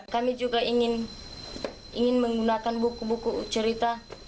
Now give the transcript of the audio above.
kami juga ingin menggunakan buku buku cerita